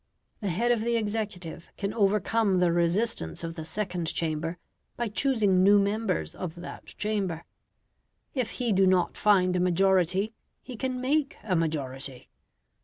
The head of the executive can overcome the resistance of the second chamber by choosing new members of that chamber; if he do not find a majority, he can make a majority.